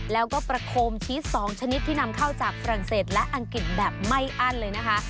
แล้วก็ประโคมชีส๒ชนิดที่นำเข้าจากฝรั่งเศสและอังกฤษแบบไม่อั้นเลยนะคะ